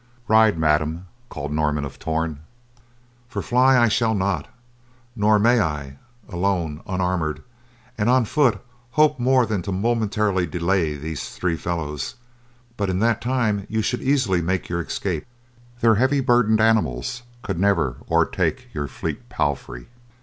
"Ride, madam," cried Norman of Torn, "for fly I shall not, nor may I, alone, unarmored, and on foot hope more than to momentarily delay these three fellows, but in that time you should easily make your escape. Their heavy burdened animals could never o'ertake your fleet palfrey."